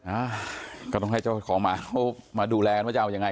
อ่าก็ต้องให้เจ้าของหมาเขามาดูแลว่าจะเอายังไง